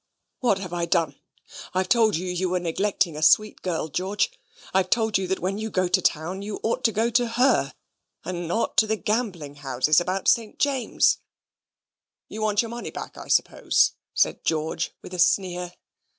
"What have I done? I've told you you were neglecting a sweet girl, George. I've told you that when you go to town you ought to go to her, and not to the gambling houses about St. James's." "You want your money back, I suppose," said George, with a sneer.